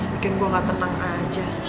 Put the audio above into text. bikin gue gak tenang aja